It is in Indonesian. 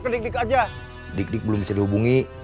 dik dik belum bisa dihubungi